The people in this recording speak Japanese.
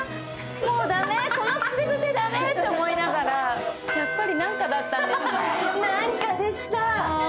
もう駄目、この口癖駄目って思いながら、やっぱり「なんか」だったんですね。